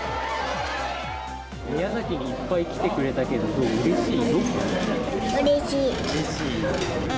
宮崎にいっぱい来てくれたけどどう、うれしい？